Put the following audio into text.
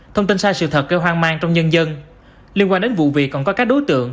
thông tin sai sự thật gây hoang mang trong nhân dân liên quan đến vụ việc còn có các đối tượng